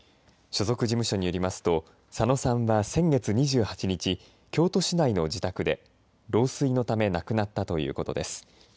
所属事務所によりますと佐野さんは先月２８日、京都市内の自宅で老衰のため亡くなったということです。